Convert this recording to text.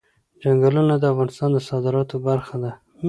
چنګلونه د افغانستان د صادراتو برخه ده.